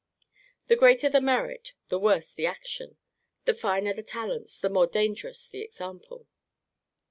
The greater the merit, the worse the action: the finer the talents, the more dangerous the example.